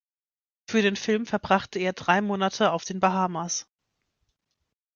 Für den Film verbrachte er drei Monate auf den Bahamas.